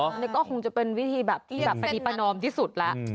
อันนี้ก็คงจะเป็นวิธีแบบพฤติประนอมที่สุดแล้ว